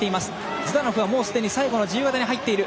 ヅダノフはもう最後の自由形に入っている。